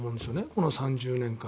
この３０年間。